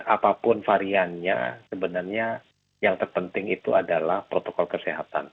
apapun variannya sebenarnya yang terpenting itu adalah protokol kesehatan